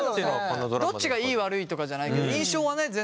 どっちがいい悪いとかじゃないけど印象はね